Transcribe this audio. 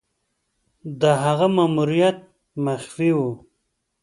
د هغه ماموریت مخفي وو.